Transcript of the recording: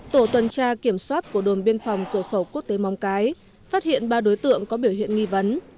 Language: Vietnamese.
tổ tuần tra kiểm soát của đồn biên phòng cửa khẩu quốc tế mong cái phát hiện ba đối tượng có biểu hiện nghi vấn